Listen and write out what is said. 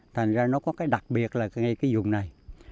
thành ra nó có cái đặc biệt là ngay cái vùng này